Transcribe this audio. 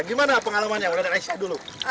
gimana pengalamannya melihatnya aisyah dulu